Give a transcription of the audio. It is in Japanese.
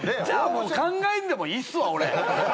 じゃあもう考えんでもいいっすわ俺。